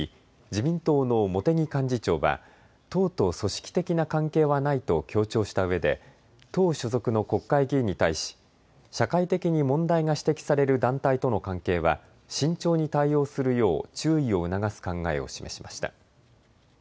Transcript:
自民党の茂木幹事長は党と組織的な関係はないと強調したうえで党所属の国会議員に対し社会的に問題が指摘される団体との関係は慎重に対応するよう注意を促す考えを示しました。